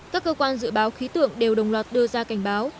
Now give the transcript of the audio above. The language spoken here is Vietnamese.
các cơ quan dự báo khí tượng đều đồng loạt đưa ra cảnh báo